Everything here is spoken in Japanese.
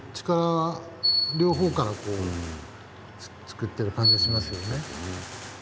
両方から作ってる感じがしますよね。